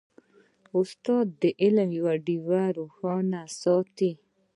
استاد د علم ډیوه روښانه ساتي.